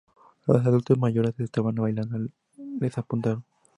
A las adultas mayores que estaban bailando les apuntaron.